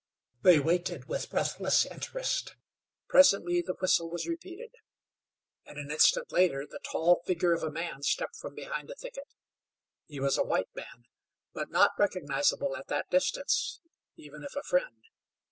They waited with breathless interest. Presently the whistle was repeated, and an instant later the tall figure of a man stepped from behind a thicket. He was a white man, but not recognizable at that distance, even if a friend.